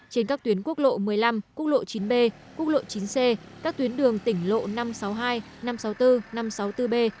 trên các tuyến quốc lộ một mươi năm quốc lộ chín b quốc lộ chín c các tuyến đường tỉnh lộ năm trăm sáu mươi hai năm trăm sáu mươi bốn năm trăm sáu mươi bốn b